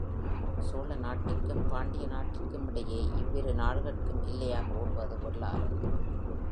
சோழ நாட்டிற்கும், பாண்டிய நாட்டிற்கும் இடையே அவ்விரு நாடுகட்கும் எல்லையாக ஓடுவது வெள்ளாறு.